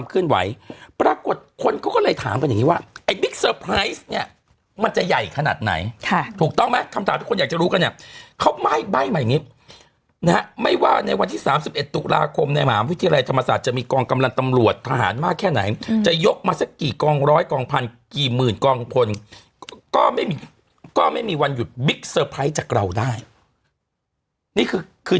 คือคนในที่เกิดเหตุอะเยอะแต่ปัญหาในช่วงนั้นคือมันเป็นความชุนละมุนอืม